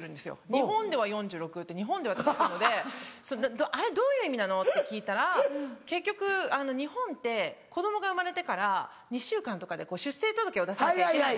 「日本では４６歳」って「日本では」って付くのであれどういう意味なの？って聞いたら結局日本って子供が生まれてから２週間とかで出生届を出さなきゃいけない。